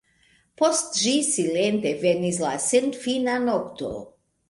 Post ĝi silente venis la senfina nokto.